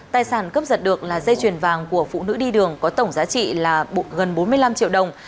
tài sản cướp giật được là dây chuyền vàng của phụ nữ đi đường có tổng giá trị là gần bốn mươi năm triệu đồng